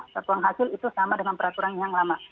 satuan hasil itu sama dengan peraturan yang lama